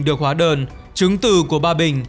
được hóa đơn chứng từ của ba bình